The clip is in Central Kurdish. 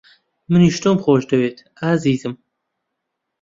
منیش تۆم خۆش دەوێت، ئازیزم.